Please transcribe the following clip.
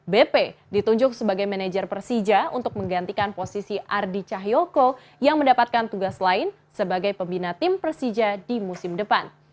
bp ditunjuk sebagai manajer persija untuk menggantikan posisi ardi cahyoko yang mendapatkan tugas lain sebagai pembina tim persija di musim depan